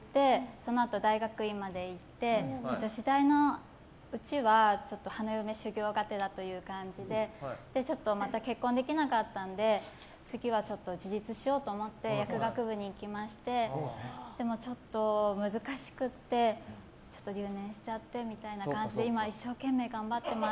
そのあと大学院まで行って女子大のうちはちょっと花嫁修業がてらという感じでまた結婚できなかったので次は自立しようと思って薬学部に行きましてでもちょっと難しくてちょっと留年しちゃってみたいな感じで今、一生懸命頑張ってます。